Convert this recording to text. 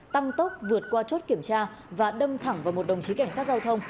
tăng tốc vượt qua chốt kiểm tra và đâm thẳng vào một đồng chí cảnh sát giao thông